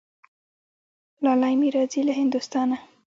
لالی مي راځي له هندوستانه